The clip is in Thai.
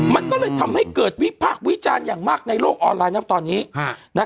มันก็เลยทำให้เกิดวิพากษ์วิจารณ์อย่างมากในโลกออนไลน์นะตอนนี้